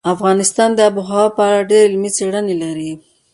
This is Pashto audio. افغانستان د آب وهوا په اړه ډېرې علمي څېړنې لري.